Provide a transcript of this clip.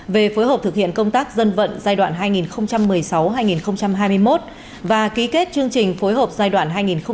về phối hợp thực hiện công tác dân vận giai đoạn hai nghìn một mươi sáu hai nghìn hai mươi một và ký kết chương trình phối hợp giai đoạn hai nghìn hai mươi một hai nghìn hai mươi năm